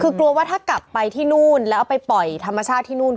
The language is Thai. คือกลัวว่าถ้ากลับไปที่นู่นแล้วเอาไปปล่อยธรรมชาติที่นู่น